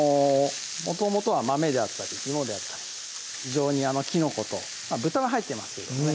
もともとは豆であったり芋であったり非常にきのこと豚は入ってますけどもね